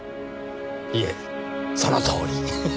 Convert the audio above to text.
いえそのとおり。